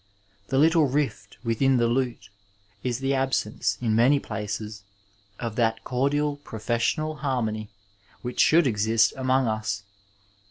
The little rift within the lute is the absence in many places of that cordial professional harmony which should exist among us.